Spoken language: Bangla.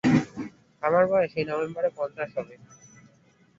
আমার বয়স এই নভেম্বরে পঞ্চাশ হবে।